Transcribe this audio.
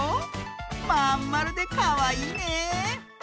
まんまるでかわいいね！